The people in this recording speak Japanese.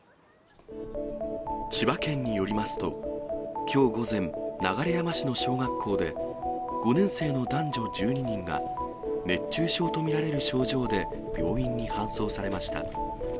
千葉県によりますと、きょう午前、流山市の小学校で、５年生の男女１２人が熱中症と見られる症状で病院に搬送されました。